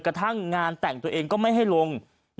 กระทั่งงานแต่งตัวเองก็ไม่ให้ลง